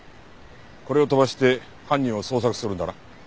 これを飛ばして犯人を捜索するんだな。